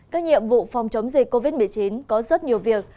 các nhiệm vụ phòng chống dịch covid một mươi chín có rất nhiều việc